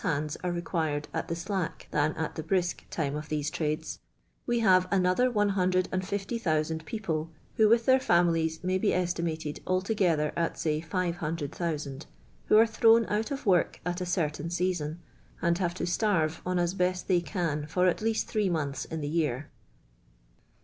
hands are required at the slack than at the brisk time of these trades, we have another 150,000 people, who, with their fiuuilies, may be estinuited altogether at say 500,000, who are thrown out of work at a certaiu season, and havo to starve on as best they can for at leiist three months in the year.